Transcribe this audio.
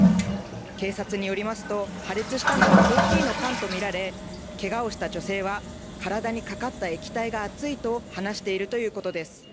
警察によりますと破裂したのはコーヒーの缶と見られけがをした女性は体にかかった液体が熱いと話しているということです。